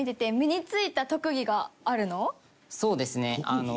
そうですねあの。